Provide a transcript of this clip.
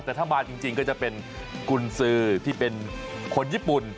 แต่ถ้ามาจริงก็จะเป็นกุญสือที่เป็นคนญี่ปุ่น